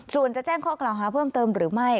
ส่วนจะแจ้งข้อกล่าวหาเพิ่มเติมหรือไม่